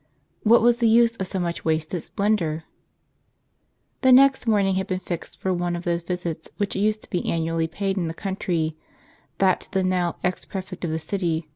TThat was the use of so much wasted splendor ? The next morning had been fixed for one of those visits which used to be annually paid in the country, — that to the now ex prefect of the city.